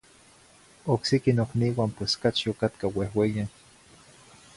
Ocsiqui nocniuan pues cachi ocatca uehueyen.